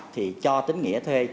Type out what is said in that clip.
thì cho tín nghĩa thuê